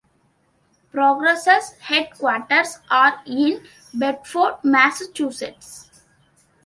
Progress's headquarters are in Bedford, Massachusetts.